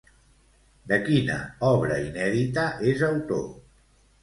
De quina obra inèdita és autor?